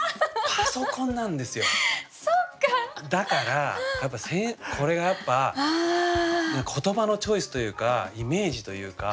だからこれがやっぱ言葉のチョイスというかイメージというか。